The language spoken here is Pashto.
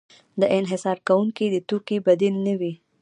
د انحصار کوونکي د توکې بدیل نه وي.